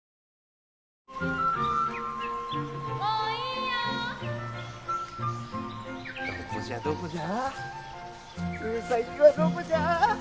うさぎはどこじゃ？